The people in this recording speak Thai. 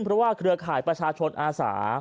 เพราะว่าเครือข่ายประชาชนอาสา